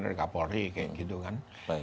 dari kapolri kayak gitu kan